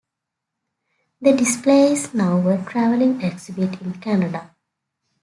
The display is now a traveling exhibit in Canada.